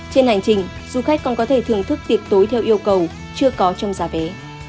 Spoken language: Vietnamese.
trên hành trình du khách còn có thể thưởng thức tiệc tối theo yêu cầu chưa có trong giá vé